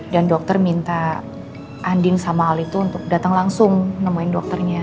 dan dokter minta andin sama al itu untuk datang langsung nemuin dokternya